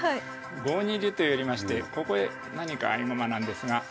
５二竜と寄りましてここへ何か合駒なんですが。